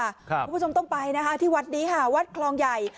คุณผู้ชมต้องไปนะคะที่วัดนี้ค่ะวัดคลองใหญ่